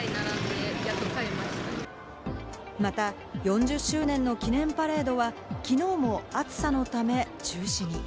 また４０周年の記念パレードは、きのうも暑さのため中止に。